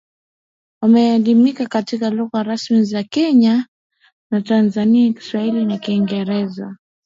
wameelimika katika lugha rasmi za Kenya na Tanzania Kiswahili na Kiingereza